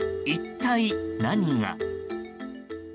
一体、何が。